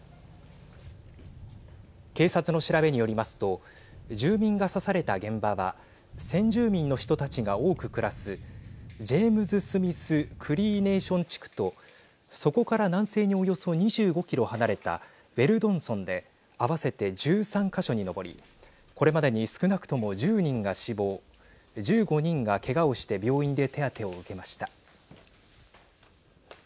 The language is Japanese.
警察の調べによりますと住民が刺された現場は先住民の人たちが多く暮らすジェームズ・スミス・クリー・ネーション地区とそこから南西におよそ２５キロ離れたウェルドン村で合わせて１３か所に上りこれまでに少なくとも１０人が死亡１５人がけがをして病院で手当てを受けました。